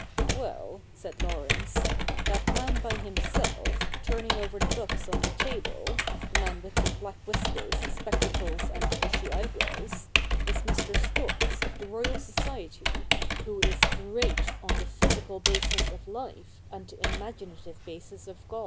' Well,' said Laurence, ' that man by himself, turning over the books on the table — the man with the black whiskers, spectacles, and bushy eyebrows — is Mr. Storks of the Royal Society, who is great on the physical basis of life and the imaginative basis of God.